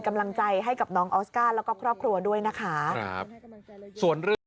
กำลังใจให้กับน้องออสการและก็ครอบครัวด้วยนะค่ะส่วน